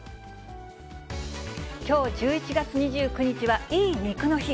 きょう１１月２９日は、いい肉の日。